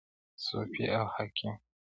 صوفي او حاکم-